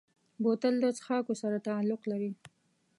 بوتل د څښاکو سره تعلق لري.